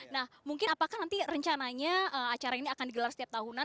nah mungkin apakah nanti rencananya acara ini akan digelar setiap tahunan